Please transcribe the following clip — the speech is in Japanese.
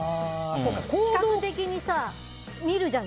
視覚的に見るじゃん。